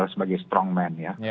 sebagai strong man ya